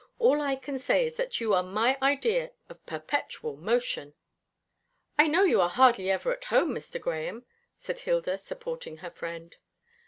"All I can say is that you are my idea of perpetual motion." "I know you are hardly ever at home, Mr. Grahame," said Hilda, supporting her friend.